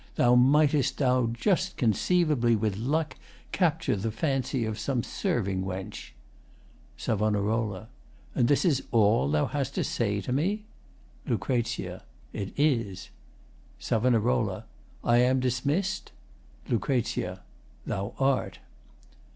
Thus mightst thou, just conceivably, with luck, Capture the fancy of some serving wench. SAV. And this is all thou hast to say to me? LUC. It is. SAV. I am dismiss'd? LUC. Thou art.